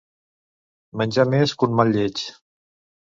Menjar més que un mal lleig.